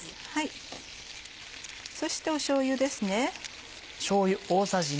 そしてしょうゆですね。